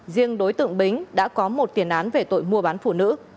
riêng đối tượng bính đã có một tiền án về tội mua bán phụ nữ